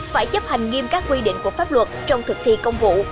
phải chấp hành nghiêm các quy định của pháp luật trong thực thi công vụ